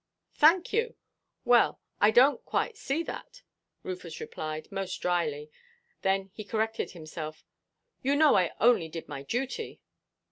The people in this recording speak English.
"Thank you. Well, I donʼt quite see that," Rufus replied, most dryly. Then he corrected himself: "You know I only did my duty."